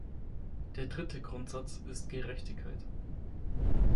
Der dritte Grundsatz ist Gerechtigkeit.